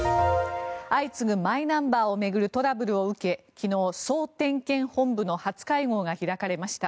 相次ぐマイナンバーを巡るトラブルを受け昨日、総点検本部の初会合が開かれました。